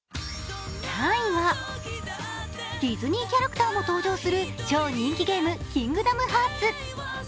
３位はディズニーキャラクターも登場する超人気ゲーム、「キングダムハーツ」。